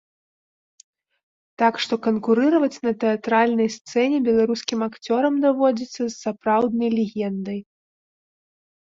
Так што канкурыраваць на тэатральнай сцэне беларускім акцёрам даводзіцца з сапраўднай легендай.